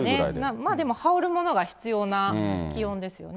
まあでも羽織るものが必要な気温ですよね。